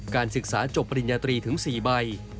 ศึกษาจบปริญญาตรีถึง๔ใบ